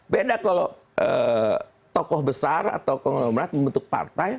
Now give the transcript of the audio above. beda kalau tokoh besar atau orang orang merata membentuk partai